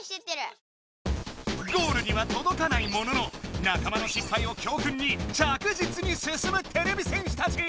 ゴールにはとどかないもののなかまの失敗を教訓に着実に進むてれび戦士たち！